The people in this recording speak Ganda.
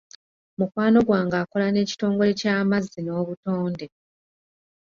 Mukwano gwange akola n'ekitongole ky'amazzi n'obutonde.